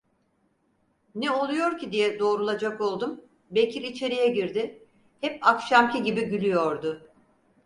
Ne oluyor ki diye doğrulacak oldum, Bekir içeriye girdi; hep akşamki gibi gülüyordu.